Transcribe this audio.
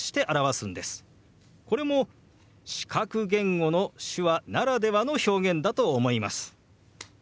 これも視覚言語の手話ならではの表現だと思います。